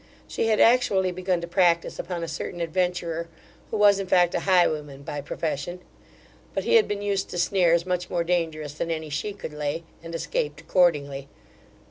She had actually begun to practise upon a certain adventurer, who was in fact a highwayman by profession; but he had been used to snares much more dangerous than any she could lay, and escaped accordingly.